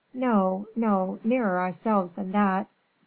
"No, no; nearer ourselves than that."